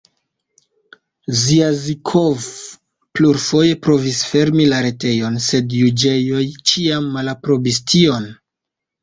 Zjazikov plurfoje provis fermi la retejon, sed juĝejoj ĉiam malaprobis tion.